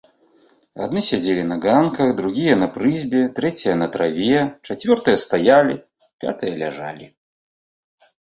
Адны сядзелі на ганках, другія на прызбе, трэція на траве, чацвёртыя стаялі, пятыя ляжалі.